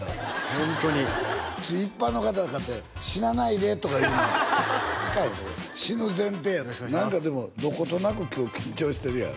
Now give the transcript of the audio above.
ホントに一般の方かて死なないでとか言う死ぬ前提やねん何かでもどことなく今日緊張してるやろ？